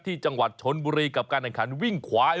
ที่จังหวัดชนบุรีกับการแข่งขันวิ่งขวา